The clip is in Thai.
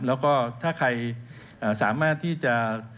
แล้วก็ถ้าใครสามารถที่จะ